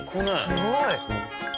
すごい！